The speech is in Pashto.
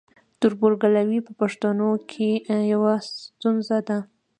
تربورګلوي په پښتنو کې یوه ستونزه ده.